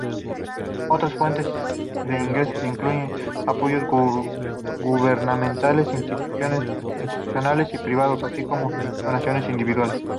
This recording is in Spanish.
Otras fuentes de ingresos incluyen apoyos gubernamentales, institucionales y privados, así como donaciones individuales.